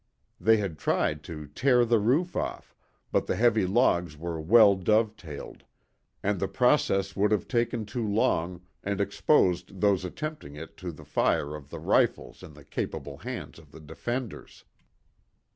They had tried to tear the roof off, but the heavy logs were well dovetailed, and the process would have taken too long, and exposed those attempting it to the fire of the rifles in the capable hands of the defenders.